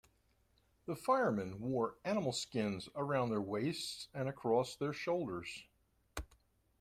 The Fire-Men wore animal skins around their waists and across their shoulders.